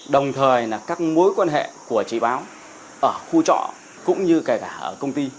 đồng thời là các mối quan hệ của chị báo ở khu trọ cũng như kể cả ở công ty